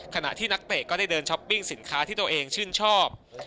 ขณะที่นักเตะก็ได้เดินช้อปปิ้งสินค้าที่ตัวเองชื่นชอบ